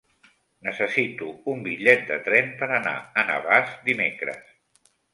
Necessito un bitllet de tren per anar a Navàs dimecres.